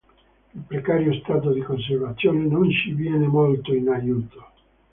Il precario stato di conservazione non ci viene molto in aiuto.